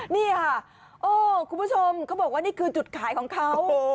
นี่ค่ะโอ้คุณผู้ชมเขาบอกว่านี่คือจุดขายของเขา